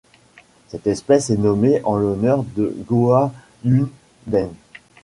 Cette espèce est nommée en l'honneur de Gao-yun Deng.